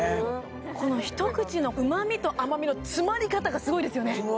この一口の旨みと甘みの詰まり方がすごいですよね